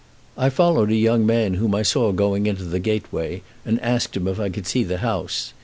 I followed a young man whom I saw going into the gateway, and asked him if I could see the house.